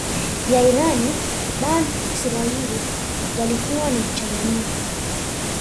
ya Iran Bani Israaiyl walikuwa ni mchanganyiko